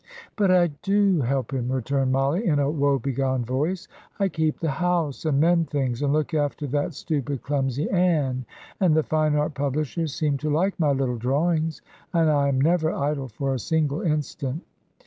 "But I do help him," returned Mollie, in a woe begone voice. "I keep the house and mend things, and look after that stupid, clumsy Ann; and the fine art publishers seem to like my little drawings, and I am never idle for a single instant."